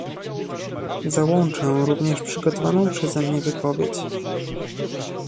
Załączę również przygotowaną przeze mnie wypowiedź